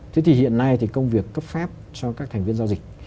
thế thì hiện nay thì công việc cấp phép cho các thành viên giao dịch